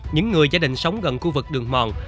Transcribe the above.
những người gia đình sống gần khu vực đường mòn